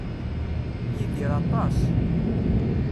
Yidir aṭas.